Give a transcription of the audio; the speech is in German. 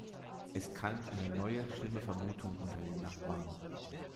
Es keimt eine neue, schlimme Vermutung unter den Nachbarn.